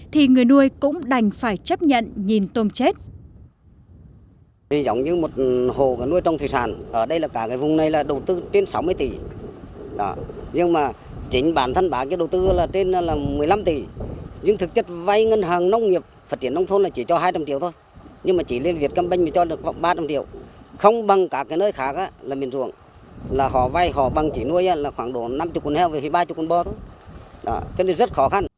thì người nuôi cũng đành phải chấp nhận nhìn tôm chết